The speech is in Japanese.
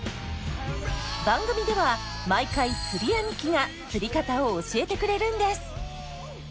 番組では毎回釣り兄貴が釣り方を教えてくれるんです。